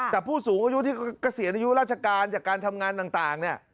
แต่ผู้สูงอายุที่เกษียณอายุราชการจากการทำงานต่างเนี่ย